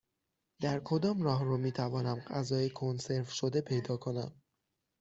در کدام راهرو می توانم غذای کنسرو شده پیدا کنم؟